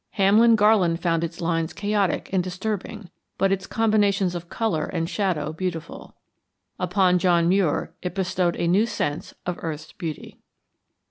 Hamlin Garland found its lines chaotic and disturbing but its combinations of color and shadow beautiful. Upon John Muir it bestowed a new sense of earth's beauty.